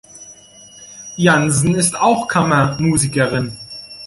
Jansen ist auch Kammermusikerin.